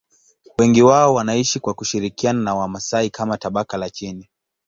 Wengi wao wanaishi kwa kushirikiana na Wamasai kama tabaka la chini.